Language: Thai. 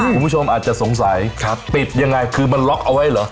คุณผู้ชมอาจจะสงสัยปิดยังไงคือมันล็อกเอาไว้เหรอ